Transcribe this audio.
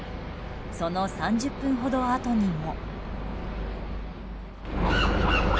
その３０分ほどあとにも。